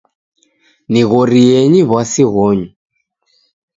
Nighorienyi w'asi ghonyu